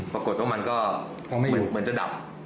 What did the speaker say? ปรากฏว่ามันก็เหมือนจะดับ